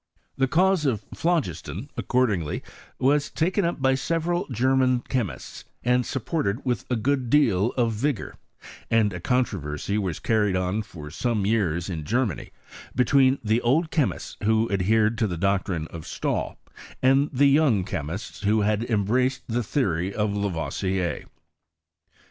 The cause of phlogiston, accordingly, was taken up by several German chemists, and supported with a good deal of vigour ; and a controversy was carried on for some years in Germany between the old chemists who adhered to the doctrine of Stalil, and the young chemists who had embraced the theory of Lavoisier.